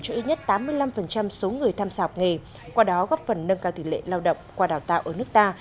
cho ít nhất tám mươi năm số người tham gia học nghề qua đó góp phần nâng cao tỷ lệ lao động qua đào tạo ở nước ta